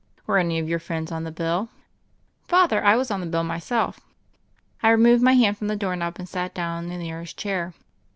"Were any of your friends on the bill?*' "Father, I was on the bill myself." I removed my hand from the doorknob and sat down on the nearest chair.